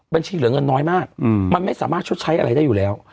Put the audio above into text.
บัญชีเหลือเงินน้อยมากมันไม่สามารถชดใช้อะไรได้อยู่แล้ว